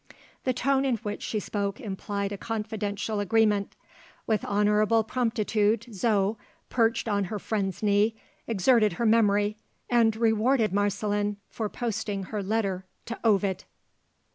The tone in which she spoke implied a confidential agreement. With honourable promptitude Zo, perched on her friend's knee, exerted her memory, and rewarded Marceline for posting her letter to Ovid.